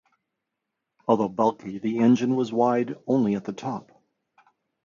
Although bulky, the engine was wide only at the top.